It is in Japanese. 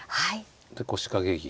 で腰掛け銀。